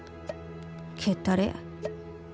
「蹴ったれや」